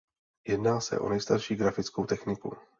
Jedná se o nejstarší grafickou techniku.